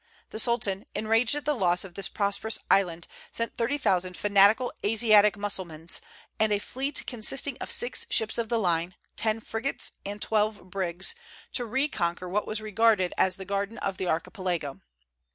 The Sultan, enraged at the loss of this prosperous island, sent thirty thousand fanatical Asiatic Mussulmans, and a fleet consisting of six ships of the line, ten frigates, and twelve brigs, to reconquer what was regarded as the garden of the Archipelago.